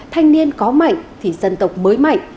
thanh niên có mạnh thì dân tộc mới mạnh